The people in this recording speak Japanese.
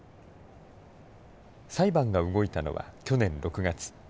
裁判が動いたのは去年６月。